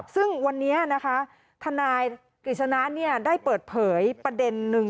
ซึ่งวันนี้นะคะทนายกฤษณะได้เปิดเผยประเด็นนึง